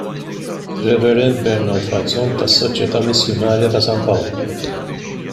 Rev. Bernard Falzon tas-Soċjeta' Missjunarja ta' San Pawl.